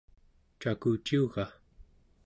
cakuciuga?